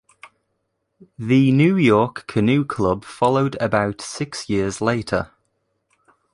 The New York Canoe Club followed about six years later.